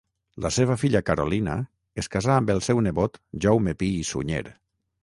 La seva filla Carolina es casà amb el seu nebot Jaume Pi i Sunyer.